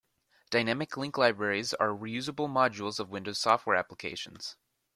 Dynamic Link Libraries are reusable modules of windows software applications.